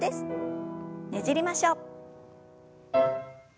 ねじりましょう。